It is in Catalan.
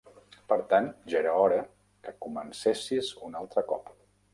Per tant, ja era hora que comencessis un altre cop.